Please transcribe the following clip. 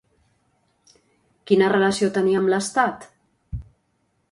Quina relació tenia amb l'estat?